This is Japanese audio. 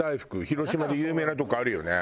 広島で有名なとこあるよね？